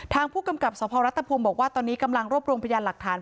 ทางผู้กำกับสพรัฐภูมิบอกว่าตอนนี้กำลังรวบรวมพยานหลักฐาน